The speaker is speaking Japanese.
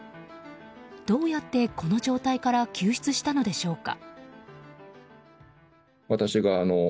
どうやって、この状態から救出したのでしょうか。